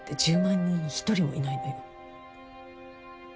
人に一人もいないのよ